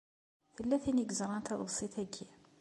Tella tin i yeṛẓan taḍebsit-aki.